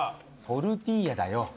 トルティーヤだよ。